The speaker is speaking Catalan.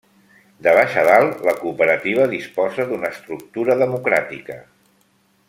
De baix a dalt, la cooperativa disposa d'una estructura democràtica.